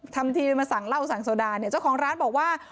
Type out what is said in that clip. ทำทีมาสั่งเหล้าสั่งโซดาเนี่ยเจ้าของร้านบอกว่า